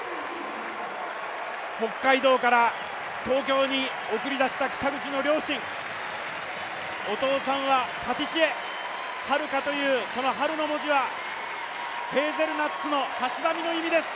北海道から東京に送り出した北口の両親、お父さんはパティシエ、榛花という「榛」の文字はヘーゼルナッツの意味です。